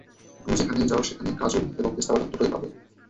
তুমি সেখানেই যাও যেখানে কাজু এবং পেস্তা বাদাম দুটোই পাবে।